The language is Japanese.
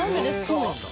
そうなんだ。